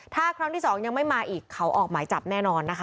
ถ้าครั้งที่สองยังไม่มาอีกเขาออกหมายจับแน่นอนนะคะ